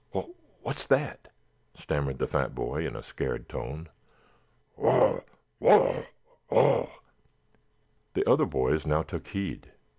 Wha what's that?" stammered the fat boy in a scared tone. "Waugh, waugh, waugh." The other boys now took heed.